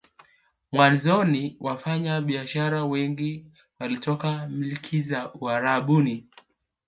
Mwanzoni wafanya biashara wengi walitoka milki za Uarabuni